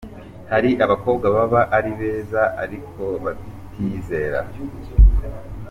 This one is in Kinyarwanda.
Hari abakobwa baba ari beza aiko batiyizera.